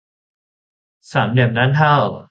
สามเหลี่ยมด้านเท่า